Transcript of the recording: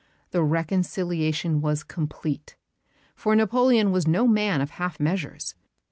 The reconciliation was complete; for Napoleon was no man of half measures.